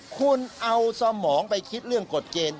คุณเอาสมองไปคิดเรื่องกฎเกณฑ์